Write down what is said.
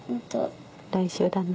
来週だな。